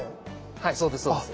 はいそうですそうです。